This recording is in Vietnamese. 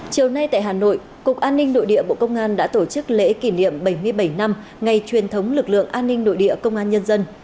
chiều nay tại hà nội cục an ninh nội địa bộ công an đã tổ chức lễ kỷ niệm bảy mươi bảy năm ngày truyền thống lực lượng an ninh nội địa công an nhân dân